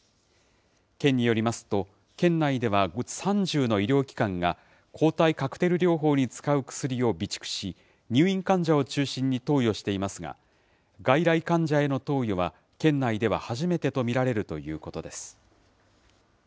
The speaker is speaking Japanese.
県によりますと、県内では３０の医療機関が、抗体カクテル療法に使う薬を備蓄し、入院患者を中心に投与していますが、外来患者への投与は、県内では初めてと見られるということです。